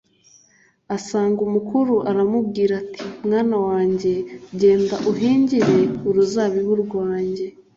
asanga umukuru aramubwira ati ‘Mwana wanjye genda uhingire uruzabibu rwanjye